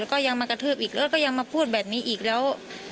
แล้วก็ยังมากระทืบอีกแล้วก็ยังมาพูดแบบนี้อีกแล้ว